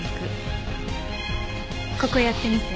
ここやってみて。